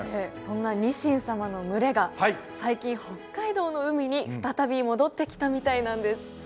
そんなニシン様の群れが最近北海道の海に再び戻ってきたみたいなんです。